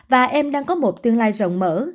và em đang có một tương lai rộng mở